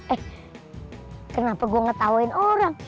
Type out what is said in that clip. eh kenapa gue ngetawain orang